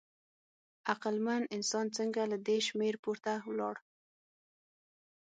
عقلمن انسان څنګه له دې شمېر پورته ولاړ؟